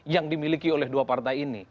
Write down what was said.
yang dimiliki oleh dua partai ini